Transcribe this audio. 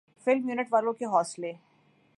film unit والوں کے حوصلے